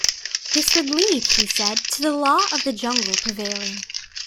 This would lead, he said, to the law of the jungle prevailing.